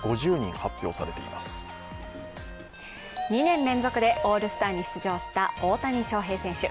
２年連続でオールスターに出場した大谷翔平選手。